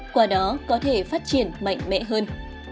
qua đó có thể phát triển mạnh mẽ hơn